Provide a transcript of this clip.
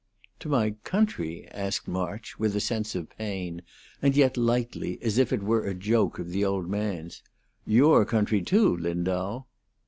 "To my country?" asked March, with a sense of pain, and yet lightly, as if it were a joke of the old man's. "Your country, too, Lindau?"